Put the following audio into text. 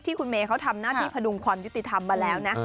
ที่คุณเมเขาทำหน้าที่ผนุงควรยุติธรรมมาแล้วนะ